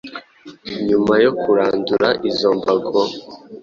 Nyuma yo kurandura izo mbago,